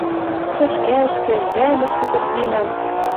Тӹшкӓшкӹ, йӓмӹш, пӹзӹргенӓм...